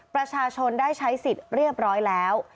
ประชาชนได้ใช้สิทธิ์เรียบร้อยแล้ว